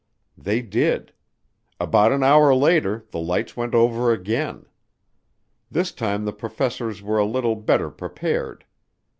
They did; about an hour later the lights went over again. This time the professors were a little better prepared.